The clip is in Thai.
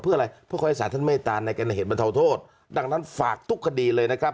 เพื่ออะไรเพื่อขอให้สารท่านเมตตาในการเหตุบรรเทาโทษดังนั้นฝากทุกคดีเลยนะครับ